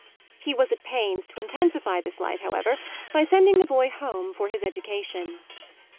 He was at pains to intensify this light, however, by sending the boy home for his education.